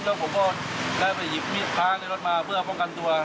แล้วผมก็ได้ไปหยิบมีดพระในรถมาเพื่อป้องกันตัว